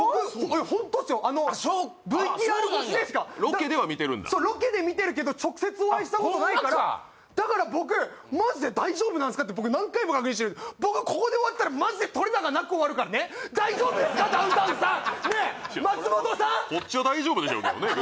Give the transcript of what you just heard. ホントっすよＶＴＲ越しでしかロケでは見てるんだそうロケで見てるけど直接お会いしたことないからホンマかだから僕マジで大丈夫なんすかって何回も確認してる僕はここで終わったらマジで撮れ高なく終わるからねねえ松本さん！こっちは大丈夫でしょうけどね